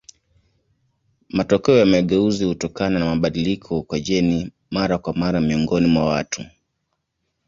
Matokeo ya mageuzi hutokana na mabadiliko kwa jeni mara kwa mara miongoni mwa watu.